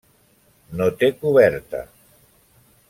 No té coberta.